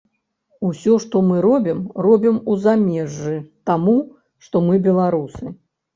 Усё, што мы робім, робім у замежжы таму, што мы беларусы.